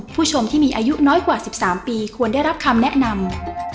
ผู้ชมที่มีอายุน้อยกว่า๑๓ปีควรได้รับคำแนะนำ